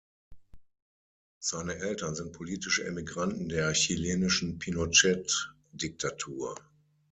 Seine Eltern sind politische Emigranten der chilenischen Pinochet-Diktatur.